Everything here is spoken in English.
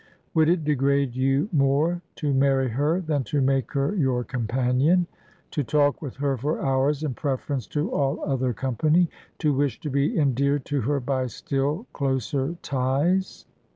"Would it degrade you more to marry her than to make her your companion? To talk with her for hours in preference to all other company? To wish to be endeared to her by still closer ties?"